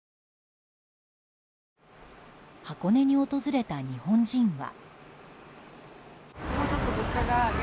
箱根に訪れた日本人は。